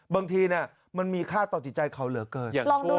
บางทีมันมีค่าต่อจิตใจเขาเหลือเกิน